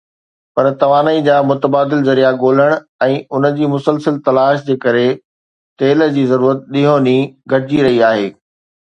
پر توانائيءَ جا متبادل ذريعا ڳولڻ ۽ ان جي مسلسل تلاش جي ڪري تيل جي ضرورت ڏينهون ڏينهن گهٽجي رهي آهي.